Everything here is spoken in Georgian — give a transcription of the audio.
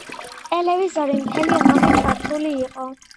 ტელევიზორი მთელი ღამე ჩართული იყო.